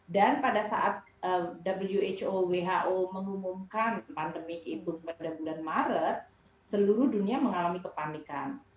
dan pada saat who mengumumkan pandemi covid pada bulan maret seluruh dunia mengalami kepanikan